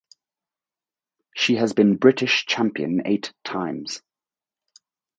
She has been British champion eight times.